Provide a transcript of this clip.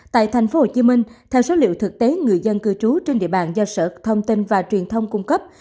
tại tp hcm theo số liệu thực tế người dân cư trú trên địa bàn do sở thông tin và truyền thông cung cấp